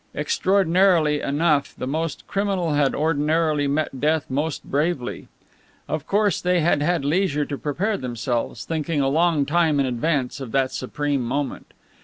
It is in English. Extraordinarily enough, the most criminal had ordinarily met death most bravely. Of course, they had had leisure to prepare themselves, thinking a long time in advance of that supreme moment.